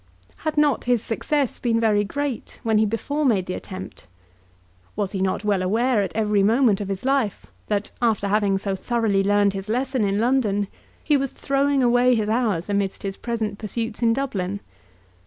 Had not his success been very great when he before made the attempt? Was he not well aware at every moment of his life that, after having so thoroughly learned his lesson in London, he was throwing away his hours amidst his present pursuits in Dublin?